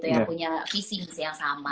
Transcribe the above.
yang punya visi misi yang sama